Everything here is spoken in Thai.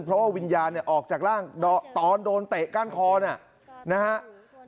เพราะว่าวิญญาณออกจากร่างตอนโดนเตะก้านคอนะครับ